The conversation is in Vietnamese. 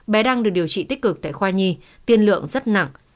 bé đang được điều trị tích cực tại khoa nhi tiên lượng rất nặng